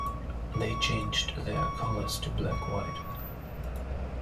They changed their colours to black-white.